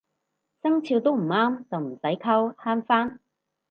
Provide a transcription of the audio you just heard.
生肖都唔啱就唔使溝慳返